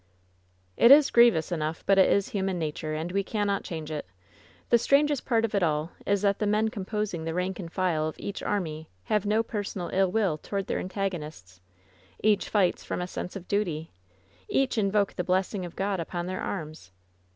^^It is grievous enough; but it is human nature, and we cannot change it. The strangest part of it all is that the men composing the rank and file of each army have no personal ill will toward their antagonists. Each fights from a sense of duty. Each invoke the blessing of God upon their arms.